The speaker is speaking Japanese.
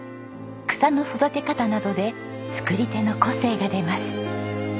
草の育て方などで作り手の個性が出ます。